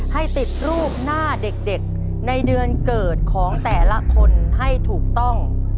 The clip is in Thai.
ให้ติดรูปหน้าเด็กในเดือนเกิดของแต่ละคนให้ถูกต้อง